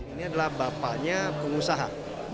ini adalah bapaknya pengusaha